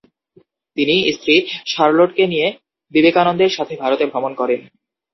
তিনি স্ত্রী শার্লোটকে নিয়ে বিবেকানন্দের সাথে ভারতে ভ্রমণ করেন।